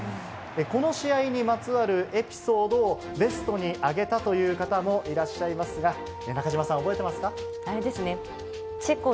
この試合にまつわるエピソードをベストに挙げたという方もいらっしゃいますが、あれですね。